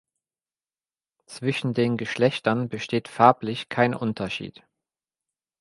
Zwischen den Geschlechtern besteht farblich kein Unterschied.